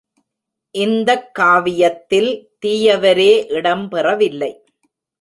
இந்தக் காவியத்தில் தீயவரே இடம் பெறவில்லை.